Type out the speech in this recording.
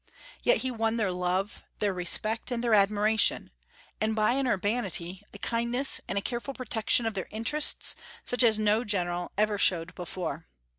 Yet he won their love, their respect, and their admiration, and by an urbanity, a kindness, and a careful protection of their interests, such as no general ever showed before.